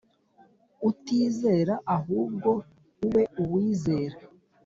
utizera ahubwo ube uwizeye